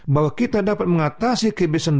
bahwa kita dapat mengatasi kebiasaan